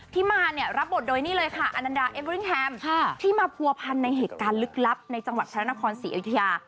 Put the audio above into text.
มาเนี่ยรับบทโดยนี่เลยค่ะอนันดาเอเวริ่งแฮมที่มาผัวพันในเหตุการณ์ลึกลับในจังหวัดพระนครศรีอยุธยา